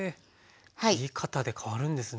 切り方で変わるんですね。